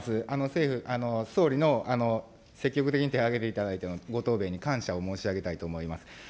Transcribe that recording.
政府、総理の積極的に手を挙げていただいてのご答弁に感謝を申し上げたいと思います。